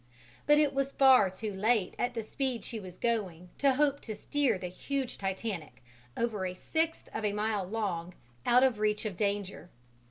But it was far too late at the speed she was going to hope to steer the huge Titanic, over a sixth of a mile long, out of reach of danger.